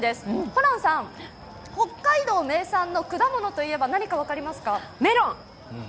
ホランさん、北海道名産の果物といえば何か分かりますか？